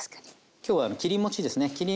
今日は切り餅ですね。